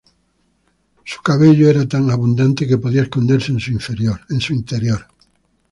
Su cabello era tan abundante que podía esconderse en su interior.